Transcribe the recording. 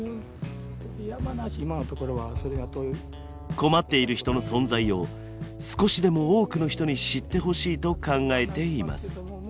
困っている人の存在を少しでも多くの人に知ってほしいと考えています。